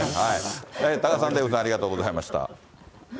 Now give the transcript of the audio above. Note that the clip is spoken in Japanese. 多賀さん、デーブさん、ありがとうございました。